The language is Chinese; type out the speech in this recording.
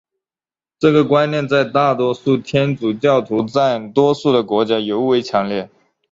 这个观念在大多数天主教徒占多数的国家尤为强烈。